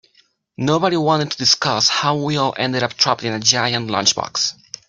Nobody wanted to discuss how we all ended up trapped in a giant lunchbox.